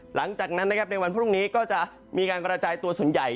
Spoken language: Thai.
หลังจากนั้นนะครับในวันพรุ่งนี้ก็จะมีการกระจายตัวส่วนใหญ่